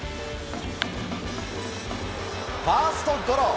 ファーストゴロ。